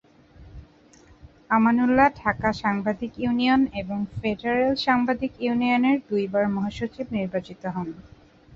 আমানুল্লাহ ঢাকা সাংবাদিক ইউনিয়ন এবং ফেডারেল সাংবাদিক ইউনিয়নের দুই বার মহাসচিব নির্বাচিত হন।